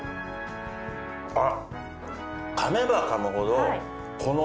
あっ。